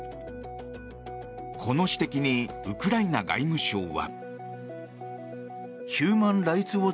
この指摘にウクライナ外務省は。